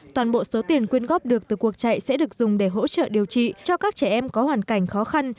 toàn bộ số tiền quyên góp được từ cuộc chạy sẽ được dùng để hỗ trợ điều trị cho các trẻ em có hoàn cảnh khó khăn